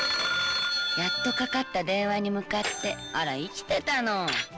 「やっとかかった電話に向かってあら生きてたの」